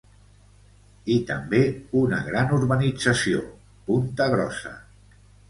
I també una gran urbanització, Punta Grossa.